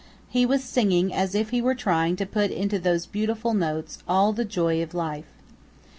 He was singing as if he were trying to put into those beautiful notes all the joy of life.